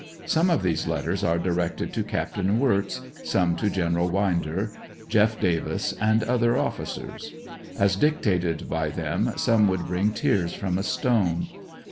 Some of these let ters are directed to Capt Wirtz, some to Gen. Winder, Jeff Davis and other officers. As dictated by them some would bring tears from a stone.